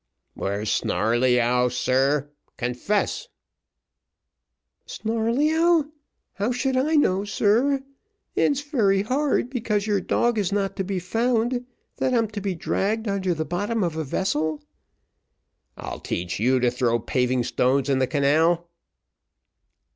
"Where's Snarleyyow, sir? confess." "Snarleyyow how should I know, sir? it's very hard, because your dog is not to be found, that I'm to be dragged under the bottom of a vessel." "I'll teach you to throw paving stones in the canal."